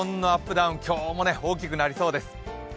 ダウン、今日も大きくなりそうです。